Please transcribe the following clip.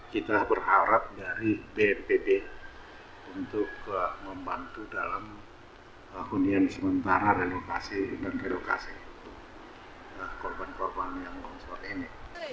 kita berharap dari bnpb untuk membantu dalam hunian sementara relokasi dan edukasi untuk korban korban yang longsor ini